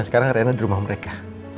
dan sekarang rena di rumah mereka